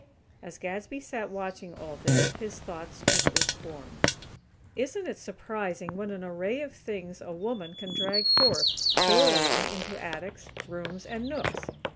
As Gadsby sat watching all this his thoughts took this form: "Isn't it surprising what an array of things a woman can drag forth, burrowing into attics, rooms and nooks!